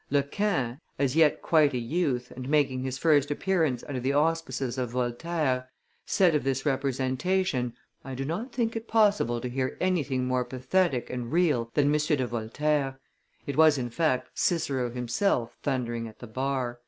Lekain, as yet quite a youth, and making his first appearance under the auspices of Voltaire, said of this representation, 'I do not think it possible to hear anything more pathetic and real than M. de Voltaire; it was, in fact, Cicero himself thundering at the bar.